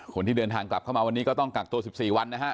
คนที่เดินทางกลับเข้ามาวันนี้ก็ต้องกักตัว๑๔วันนะฮะ